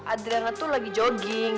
adriana tuh lagi jogging